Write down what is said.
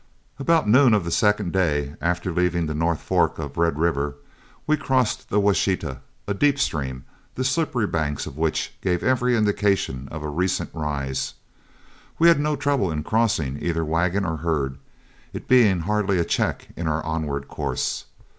About noon of the second day after leaving the North Fork of Red River, we crossed the Washita, a deep stream, the slippery banks of which gave every indication of a recent rise. We had no trouble in crossing either wagon or herd, it being hardly a check in our onward course.